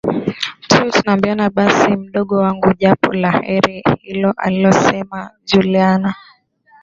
tuwe tunaambiana basi mdogo wangu jambo la kheri hiloalisema Juliana